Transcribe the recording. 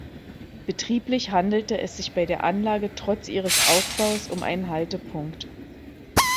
Betrieblich handelte es sich bei der Anlage trotz ihres Aufbaus um einen Haltepunkt.